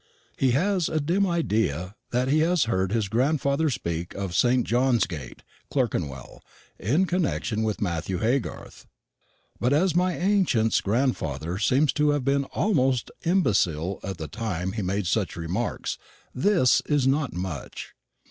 He has a dim idea that he has heard his grandfather speak of St. John's gate, Clerkenwell, in connection with Matthew Haygarth; but, as my ancient's grandfather seems to have been almost imbecile at the time he made such remarks, this is not much.